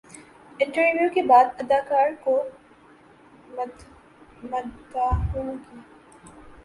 interview کے بعد اداکار کو مداحوں کی